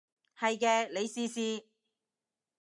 係嘅，你試試